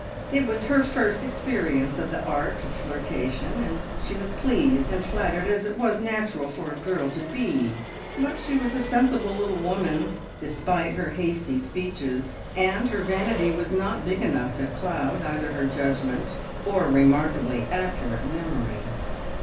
It was her first experience of the art of flirtation, and she was pleased and flattered as it was natural for a girl to be, but she was a sensible little woman, despite her hasty speeches, and her vanity was not big enough to cloud either her judgment or a remarkably accurate memory.